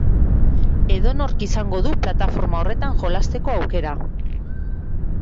Edonork izango du plataforma horretan jolasteko aukera